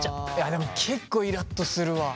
でも結構イラっとするわ。